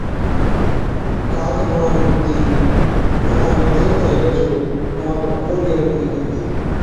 ڪاڪ بڻا ۾ لُڪتِي، باتان ۾ اِتري تہ هِلي جو اُونهان پر ڪو بِي رنگ نہ ڪِرلا